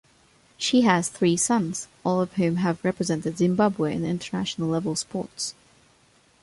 She has three sons, all of whom have represented Zimbabwe in international-level sports.